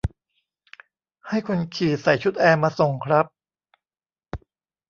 ให้คนขี่ใส่ชุดแอร์มาส่งครับ